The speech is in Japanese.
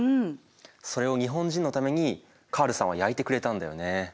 それを日本人のためにカールさんは焼いてくれたんだよね。